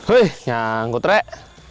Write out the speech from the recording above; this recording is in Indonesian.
wih nyangkut rek